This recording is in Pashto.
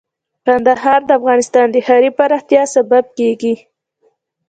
کندهار د افغانستان د ښاري پراختیا سبب کېږي.